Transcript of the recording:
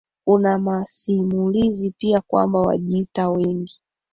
Kuna masimulizi pia kwamba Wajita wengi